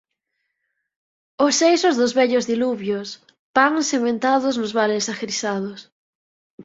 Os seixos dos vellos diluvios, Pans sementados nos vales agrisados.